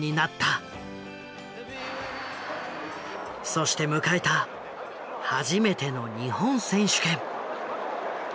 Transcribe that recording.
そして迎えた初めての日本選手権。